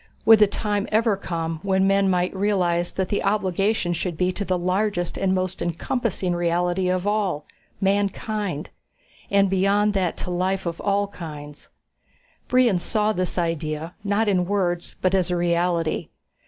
Would the time ever come when men might realize that the obligation should be to the largest and most encompassing reality of all mankind? And beyond that to life of all kinds. Brion saw this idea, not in words but as a reality.